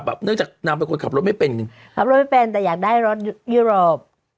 เนื่องจากนางเป็นคนขับรถไม่เป็นขับรถไม่เป็นแต่อยากได้รถยุโรป